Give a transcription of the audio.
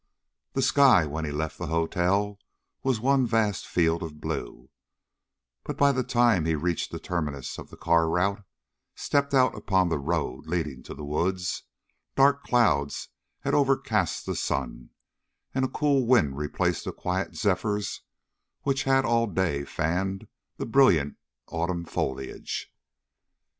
The sky, when he left the hotel, was one vast field of blue; but by the time he reached the terminus of the car route, and stepped out upon the road leading to the woods, dark clouds had overcast the sun, and a cool wind replaced the quiet zephyrs which had all day fanned the brilliant autumn foliage.